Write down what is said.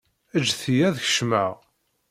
Ǧǧet-iyi ad kecmeɣ.